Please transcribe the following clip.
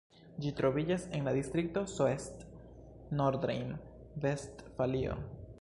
Ĝi troviĝas en la distrikto Soest, Nordrejn-Vestfalio.